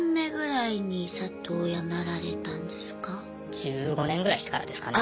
１５年ぐらいしてからですかね。